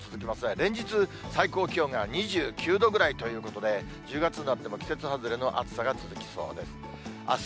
連日、最高気温が２９度ぐらいということで、１０月になっても季節外れの暑さが続きそうです。